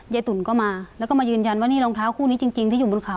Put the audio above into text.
ยายตุ๋นก็มาแล้วก็มานี่รองเท้าคู่นี้จริง